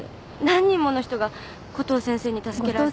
何人もの人がコトー先生に助けられて。